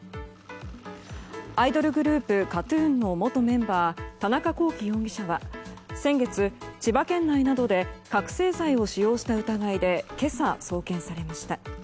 アイドルグループＫＡＴ‐ＴＵＮの元メンバー田中聖容疑者は先月、千葉県内などで覚醒剤を使用した疑いで今朝、送検されました。